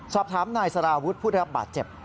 สอบถามนายสารวุฒิผู้ได้รับบาดเจ็บ